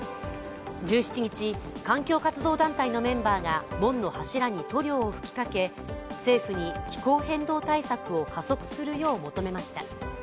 １７日、環境活動団体のメンバーが門の柱に塗料を吹きかけ、政府に気候変動対策を加速するよう求めました。